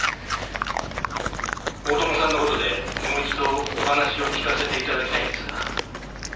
「大友さんの事でもう一度お話を聞かせて頂きたいんですが」